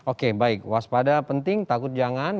oke baik waspada penting takut jangan